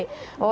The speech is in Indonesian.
iya sebentar ya